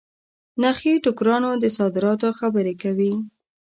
نخې ټوکرانو د صادراتو خبري کوي.